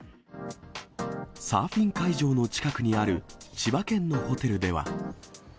サーフィン会場の近くにある千葉県のホテルでは。